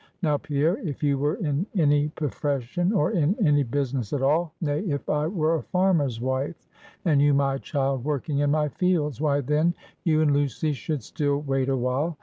Now, Pierre, if you were in any profession, or in any business at all; nay, if I were a farmer's wife, and you my child, working in my fields; why, then, you and Lucy should still wait awhile.